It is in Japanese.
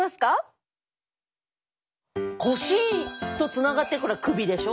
腰とつながってるから首でしょ？